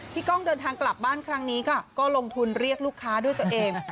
กล้องเดินทางกลับบ้านครั้งนี้ค่ะก็ลงทุนเรียกลูกค้าด้วยตัวเอง